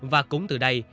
và cũng từ đây